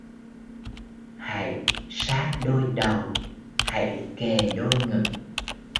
Hãy sát đôi đầu, hãy kề đôi ngực!